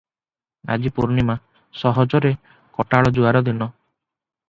ଆଜି ପୂର୍ଣ୍ଣିମା - ସହଜରେ କଟାଳ ଜୁଆର ଦିନ ।